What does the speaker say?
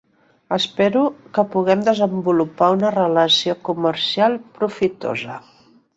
Espero que puguem desenvolupar una relació comercial profitosa.